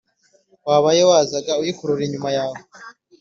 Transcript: wabaye wazaga uyikurura inyuma yawe?